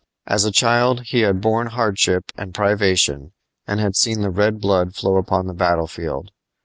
As a child he had borne hardship and privation and had seen the red blood flow upon the battlefield.